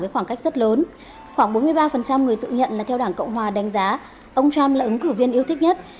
với khoảng cách rất lớn khoảng bốn mươi ba người tự nhận là theo đảng cộng hòa đánh giá ông trump là ứng cử viên yêu thích nhất